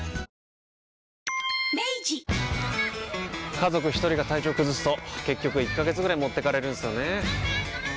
家族一人が体調崩すと結局１ヶ月ぐらい持ってかれるんすよねー。